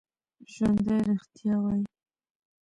ژوندي رښتیا وايي